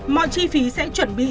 mọi chi phí sẽ chuẩn bị